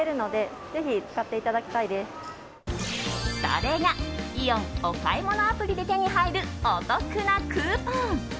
それがイオンお買物アプリで手に入るお得なクーポン。